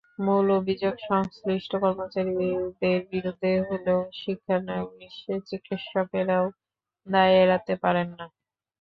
মূল অভিযোগ সংশ্লিষ্ট কর্মচারীদের বিরুদ্ধে হলেও শিক্ষানবিশ চিকিৎসকেরাও দায় এড়াতে পারেন না।